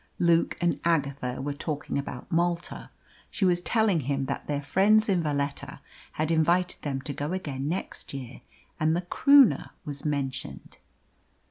Luke and Agatha were talking about Malta. She was telling him that their friends in Valetta had invited them to go again next year, and the Croonah was mentioned.